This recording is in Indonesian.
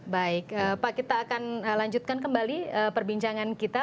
baik pak kita akan lanjutkan kembali perbincangan kita